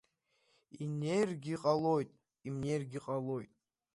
Инеиргьы ҟалоит, имнеиргьы ҟалоит.